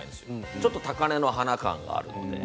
ちょっと高根の花感があります。